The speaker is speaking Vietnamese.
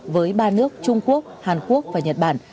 với ba nước trung quốc hàn quốc và nhật bản